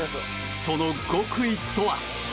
その極意とは？